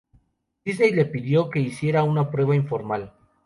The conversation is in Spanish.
Disney le pidió que hiciera una prueba informal.